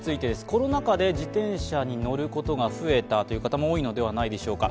コロナ禍で自転車に乗ることが増えたという方も多いのではないでしょうか。